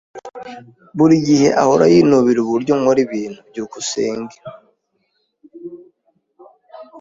Buri gihe ahora yinubira uburyo nkora ibintu. byukusenge